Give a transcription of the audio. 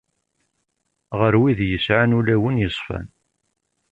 Ɣer wid yesɛan ulawen yeṣfan.